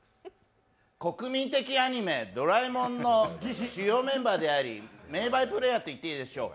国民的アニメ、「ドラえもん」の主要メンバーであり、名バイプレーヤーといっていいでしょう。